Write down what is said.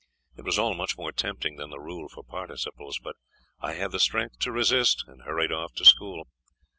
It was all much more tempting than the rule for participles, but I had the strength to resist, and hurried off to school.